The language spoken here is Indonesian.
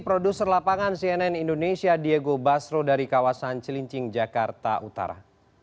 produser lapangan cnn indonesia diego basro dari kawasan cilincing jakarta utara